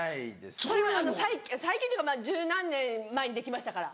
それは最近っていうか１０何年前にできましたから。